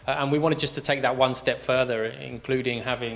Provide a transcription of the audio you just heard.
dan kita ingin menambahkan itu satu langkah ke depan